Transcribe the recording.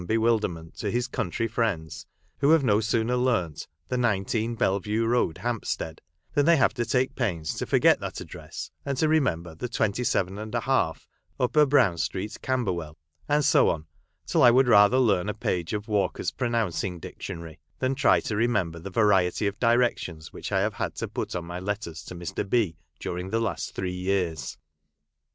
247 bewilderment to his country friends, who have no sooner learnt the 19, Belle Vue Road, Hampstead, than they have to take pains to forget that address, and to remember the 27£, Upper Brown Street, Camberwell ; and so on, till I would rather learn a page of " Walker's Pronouncing Dictionary," than try to remember the variety of directions which I have had to put on my letters to Mr. B. during the last three years.